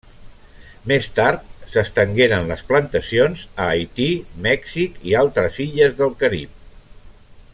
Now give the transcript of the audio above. Més tard s'estengueren les plantacions a Haití, Mèxic i altres illes del Carib.